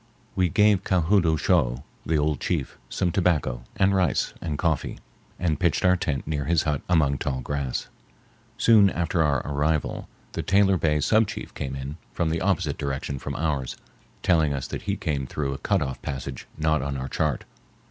We gave Ka hood oo shough, the old chief, some tobacco and rice and coffee, and pitched our tent near his hut among tall grass. Soon after our arrival the Taylor Bay sub chief came in from the opposite direction from ours, telling us that he came through a cut off passage not on our chart.